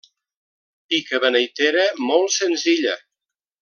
Pica beneitera molt senzilla.